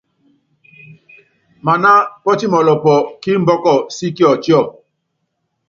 Maná pɔ́timɔlɔpɔ́ kí imbɔ́kɔ sí Kiɔtíɔ.